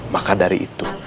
maka dari itu